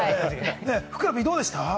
ふくらＰ、どうでした？